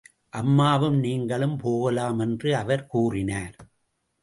அம்மாவும் நீங்களும் போகலாம் என்று அவர் கூறினார்.